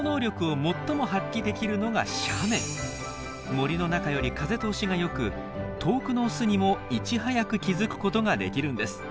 森の中より風通しがよく遠くのオスにもいち早く気付くことができるんです。